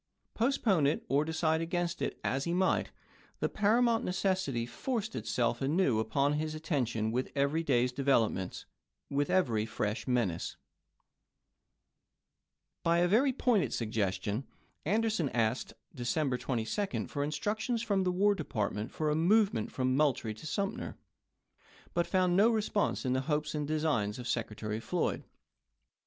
Postpone °pU58.ie' it, or decide against it as he might, the paramount necessity forced itself anew upon his attention with every day's developments, with every fresh menace. Anderson By a very pointed suggestion, Anderson asked on t^wKn December 22d for instructions from the "War Depart eSiSo.c' ment for a movement from Moultrie to Sumter, but i*., p. 105° ' found no response in the hopes and designs of Sec retary Floyd.